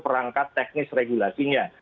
perangkat teknis regulasinya